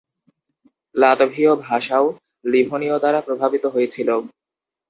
লাত্ভীয় ভাষাও লিভুনীয় দ্বারা প্রভাবিত হয়েছিল।